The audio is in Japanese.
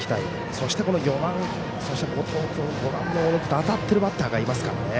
そして４番、後藤君５番の小野君と当たっているバッターがいますからね。